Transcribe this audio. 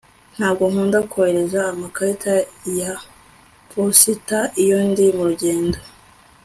Ntabwo nkunda kohereza amakarita ya posita iyo ndi murugendo